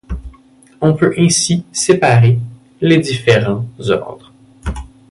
On peut ainsi séparer les différents ordres.